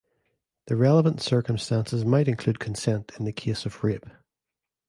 The relevant circumstances might include consent in the case of rape.